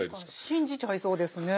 信じちゃいそうですね。